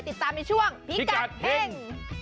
ติดตามในช่วงพิกัดเฮ่ง